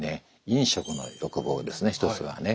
飲食の欲望ですね一つはね。